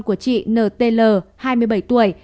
của chị ntl hai mươi bảy tuổi